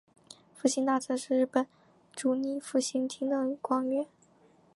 复兴大臣是日本主理复兴厅的官员。